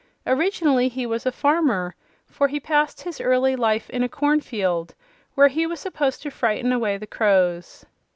Originally he was a farmer, for he passed his early life in a cornfield, where he was supposed to frighten away the crows."